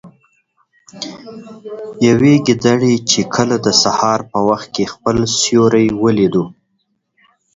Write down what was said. يوې ګيدړې چې کله د سهار په وخت كې خپل سيورى وليده